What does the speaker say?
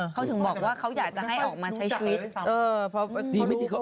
เขาถึงบอกว่าเขาอยากจะให้ออกมาใช้ชีวิต